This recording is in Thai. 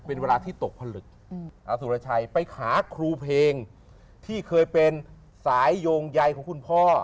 เป็นเวลาที่ตกผลึกอาสุรชัยไปหาครูเพลงที่เคยเป็นสายโยงใยของคุณพ่อ